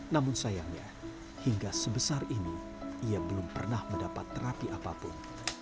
namun sayangnya hingga sebesar ini ia belum pernah mendapat terapi apapun